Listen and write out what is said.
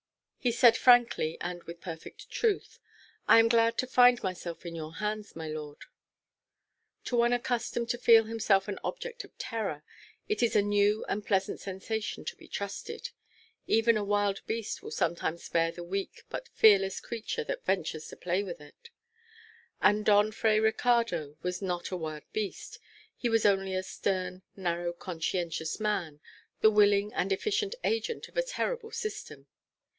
He said frankly, and with perfect truth, "I am glad to find myself in your hands, my lord." To one accustomed to feel himself an object of terror, it is a new and pleasant sensation to be trusted. Even a wild beast will sometimes spare the weak but fearless creature that ventures to play with it: and Don Fray Ricardo was not a wild beast; he was only a stern, narrow, conscientious man, the willing and efficient agent of a terrible system.